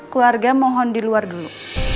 keluarga mohon di luar dulu